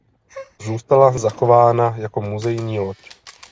Zůstala zachována jako muzejní loď.